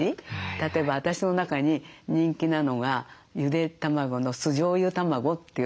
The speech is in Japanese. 例えば私の中に人気なのがゆで卵の酢じょうゆ卵というのがあるんですけど。